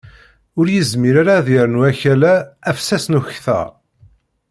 Ur yezmir ara ad yernu akala afessas n ukter.